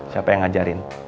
siapa yang ngajarin